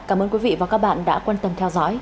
cảm ơn quý vị và các bạn đã quan tâm theo dõi